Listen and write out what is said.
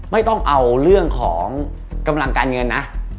ไม่ต้องเอาเรื่องของกำลังการเงินนะ